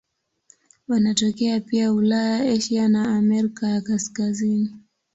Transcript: Wanatokea pia Ulaya, Asia na Amerika ya Kaskazini.